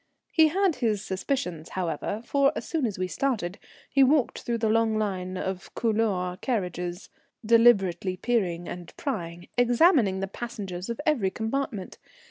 He had his suspicions, however, for as soon as we started he walked through the long line of couloir carriages, deliberately peering and prying, examining the passengers of every compartment.